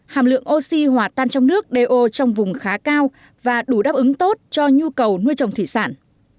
hàm lượng oxy hòa tan trong nước do trong vùng khá cao và đủ đáp ứng tốt cho nhu cầu nuôi trồng thủy sản